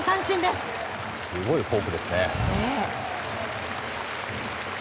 すごいフォークですね。